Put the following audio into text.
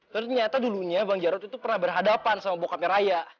ternyata dulunya bang jarod itu pernah berhadapan sama bokapiraya